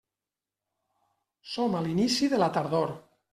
Som a l'inici de la tardor.